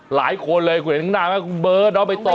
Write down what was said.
หลายคนเลยคุณเห็นข้างหน้าไหมคุณเบิร์ตน้องไปต่อ